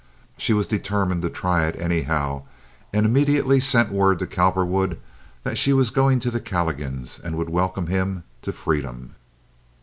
She was determined to try it, anyhow, and immediately sent word to Cowperwood that she was going to the Calligans and would welcome him to freedom.